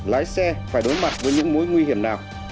lái xe phải đối mặt với những mối nguy hiểm nào